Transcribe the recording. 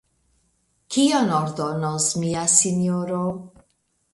Kion ordonos mia sinjoro?